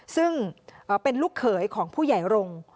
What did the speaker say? ซึ่งเป็นลูกเขยของผู้ใหญ่รงค์